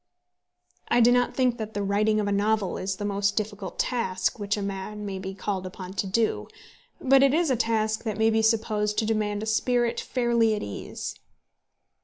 I do not think that the writing of a novel is the most difficult task which a man may be called upon to do; but it is a task that may be supposed to demand a spirit fairly at ease.